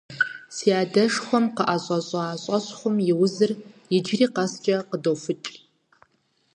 Си адэшхуэм къыӀэщӀэщӀа щӀэщхъум и узыр иджыри къэскӀэ къыдофыкӀ.